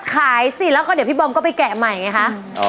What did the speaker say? สิแล้วก็เดี๋ยวพี่บอมก็ไปแกะใหม่ไงคะ